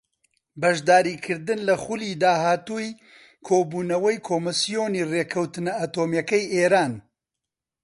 بەشداریکردن لە خولی داهاتووی کۆبوونەوەی کۆمسیۆنی ڕێککەوتنە ئەتۆمییەکەی ئێران